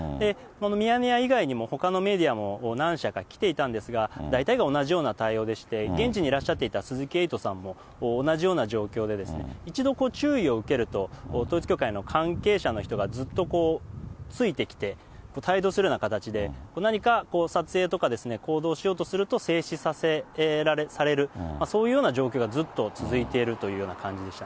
ミヤネ屋以外にもほかのメディアも、何社か来ていたんですが、大体が同じような対応でして、現地にいらっしゃっていた鈴木エイトさんも同じような状況でですね、一度、注意を受けると、統一教会の関係者の人がずっとついてきて、帯同するような形で、何か撮影とかですね、行動しようとすると制止させられる、そういったような状況がずっと続いているというような感じでした